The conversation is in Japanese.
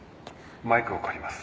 マイクを借ります。